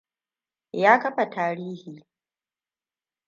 Ya kafa tarihi.